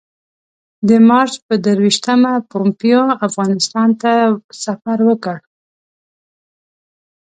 د مارچ پر درویشتمه پومپیو افغانستان ته سفر وکړ.